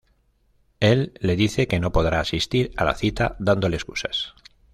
Él le dice que no podrá asistir a la cita dándole excusas.